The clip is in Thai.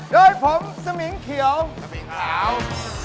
โดยผมสมิงเขียวสมิงขาว